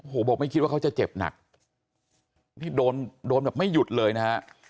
โอ้โหบอกไม่คิดว่าเขาจะเจ็บหนักนี่โดนโดนแบบไม่หยุดเลยนะฮะ